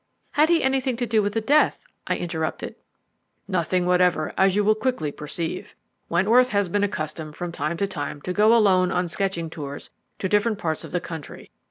"Had he anything to do with the death?" I interrupted. "Nothing whatever, as you will quickly perceive. Wentworth has been accustomed from time to time to go alone on sketching tours to different parts of the country.